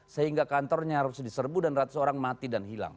sehingga kantornya harus diserbu dan ratus orang mati dan hilang